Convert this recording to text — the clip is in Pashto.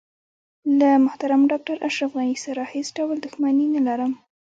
له محترم ډاکټر اشرف غني سره هیڅ ډول دښمني نه لرم.